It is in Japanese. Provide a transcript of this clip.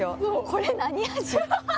これ何味？